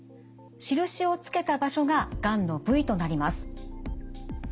印をつけた場所ががんの部位となります。